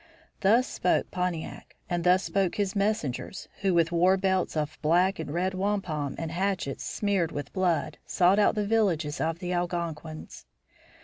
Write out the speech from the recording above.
Thus spoke Pontiac, and thus spoke his messengers, who with war belts of black and red wampum and hatchets smeared with blood sought out the villages of the Algonquins.